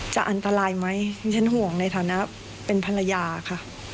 จะอันตรายไหมดิฉันห่วงในฐานะเป็นภรรยาค่ะ